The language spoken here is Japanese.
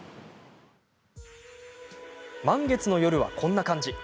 満月の夜は、こんな感じ。